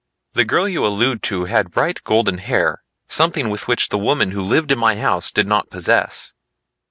"The girl you allude to had bright golden hair, something which the woman who lived in my house did not possess."